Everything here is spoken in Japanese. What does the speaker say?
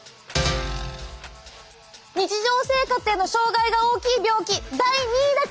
日常生活への障害が大きい病気第２位だから！